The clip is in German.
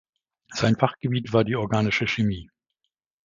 Sein Fachgebiet war die organische Chemie.